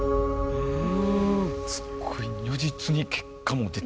うん。